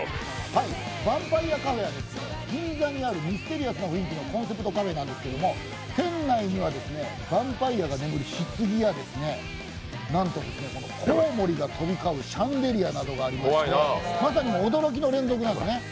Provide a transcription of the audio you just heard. ヴァンパイアカフェは銀座にあるミステリアスな雰囲気のコンセプトカフェなんですけど店内にはヴァンパイアが眠るひつぎやなんとコウモリが飛び交うシャンデリアなどがありまして、まさに驚きの連続なんですね。